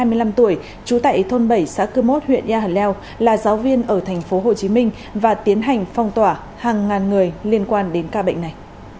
ông nguyễn văn hà chủ tịch ubnd huyện yà hàn leo là giáo viên ở thành phố hồ chí minh và tiến hành phong tỏa hàng ngàn người liên quan đến ca bệnh này